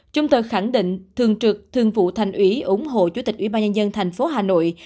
trung tờ khẳng định thường trực thường vụ thành ủy ủng hộ chủ tịch ubnd thành phố hà nội